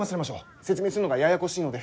説明するのがややこしいので。